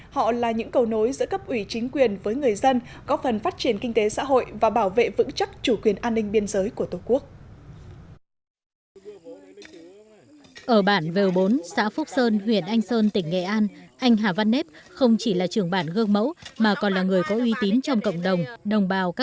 họ là những cầu nối giữa cấp ủy chính quyền với người dân góp phần phát triển kinh tế xã hội và bảo vệ vững chắc chủ quyền an ninh biên giới của tổ quốc